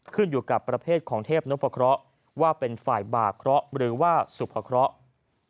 ขึ้นอยู่กับประเภทของเทพนพเคราะห์ว่าเป็นฝ่ายบากเคราะห์หรือว่าสุภเคราะห์